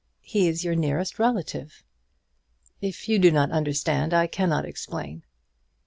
He is your nearest relative." "If you do not understand I cannot explain."